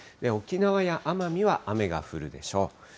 沖縄や奄美は雨が降るでしょう。